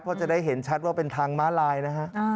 เพราะจะได้เห็นชัดว่าเป็นทางม้าลายนะฮะ